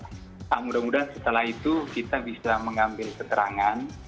nah mudah mudahan setelah itu kita bisa mengambil keterangan